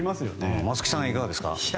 松木さん、いかがですか？